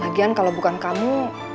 lagian kalau bukan kamu